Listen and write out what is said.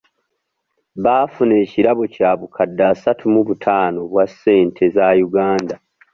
Baafuna ekirabo kya bukadde asatu mu buttaano obwa ssente za Uganda.